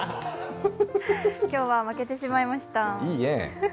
今日は負けてしまいました。